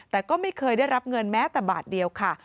แต่ก็ไม่เคยได้รับเงินแม้แต่บาทเดียวค่ะ